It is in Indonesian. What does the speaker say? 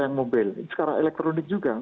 yang mobile sekarang elektronik juga